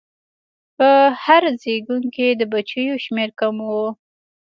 په هر زېږون کې د بچو شمېر کم و.